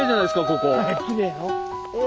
ここ。